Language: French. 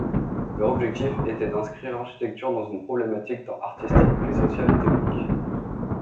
Leur objectif était d'inscrire l'architecture dans une problématique tant artistique que sociale et technique.